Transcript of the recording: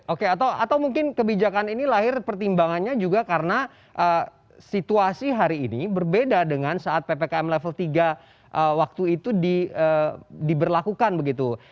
oke atau mungkin kebijakan ini lahir pertimbangannya juga karena situasi hari ini berbeda dengan saat ppkm level tiga waktu itu diberlakukan begitu